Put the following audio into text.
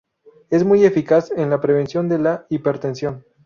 Es muy eficaz en la prevención de la hipertensión.